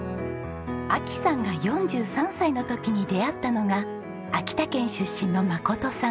亜紀さんが４３歳の時に出会ったのが秋田県出身の真さん。